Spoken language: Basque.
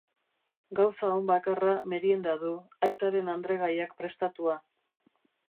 Gauza on bakarra merienda du, aitaren andregaiak prestatua.